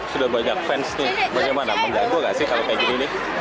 sudah banyak fans nih bagaimana mengganggu gak sih kalau kayak gini nih